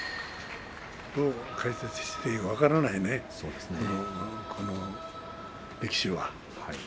どう解説していいか分からないね、この力士は。